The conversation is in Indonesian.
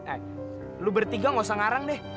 eh lo bertiga nggak usah ngarang deh